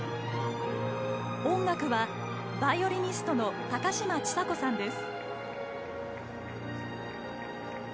音楽はバイオリニストの高嶋ちさ子さんです。